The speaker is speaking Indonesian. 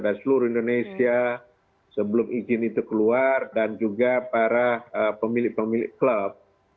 dari seluruh indonesia sebelum izin itu keluar dan juga para pemilik pemilik klub